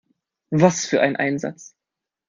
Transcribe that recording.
Was für ein Einsatz!